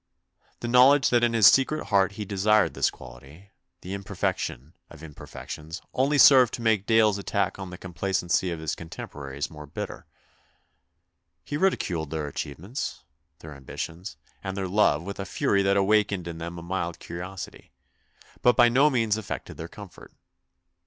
The knowledge that in his secret heart he desired this quality, the imperfection of imperfections, only served to make Dale's attack on the complacency of his contem poraries more bitter. He ridiculed their achievements, their ambitions, and their love with a fury that awakened in them a mild curiosity, but by no means affected their 232 THE BIOGRAPHY OF A SUPERMAN comfort.